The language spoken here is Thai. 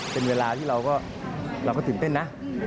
เป็นเวลาที่เราก็ตื่นเต้นนะ